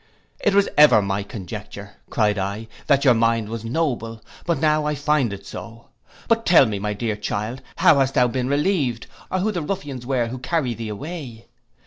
'It was ever my conjecture,' cried I, 'that your mind was noble; but now I find it so. But tell me, my dear child, how hast thou been relieved, or who the ruffians were who carried thee away?